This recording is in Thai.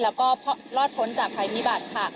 แล้วก็รอดพ้นจากภัยพิบัติค่ะ